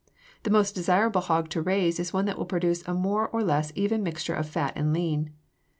The most desirable hog to raise is one that will produce a more or less even mixture of fat and lean.